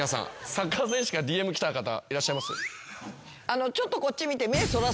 サッカー選手からＤＭ来た方いらっしゃいます？